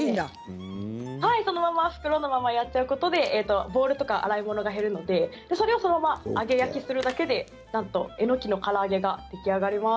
袋のままボウルとか洗い物が減るのでそのまま揚げ焼きするだけでえのきのから揚げが出来上がります。